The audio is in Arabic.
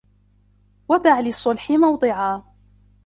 وَدَعْ لِلصُّلْحِ مَوْضِعًا